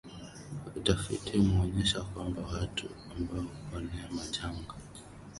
Utafiti umeonyesha kwamba watu ambao huponea majanga